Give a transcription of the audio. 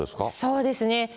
そうですね。